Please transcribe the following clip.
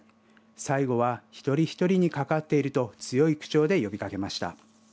最後は一人一人にかかっていると強い口調で呼びかけました。